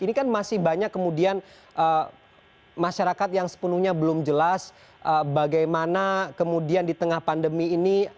ini kan masih banyak kemudian masyarakat yang sepenuhnya belum jelas bagaimana kemudian di tengah pandemi ini